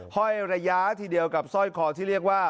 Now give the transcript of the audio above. ห้อยระยะทีเดียวกับสร้อยคอที่เรียกว่า